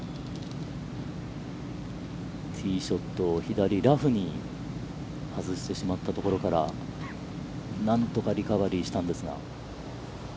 ティーショットを左、ラフに外してしまったところから何とかリカバリーしたんですが。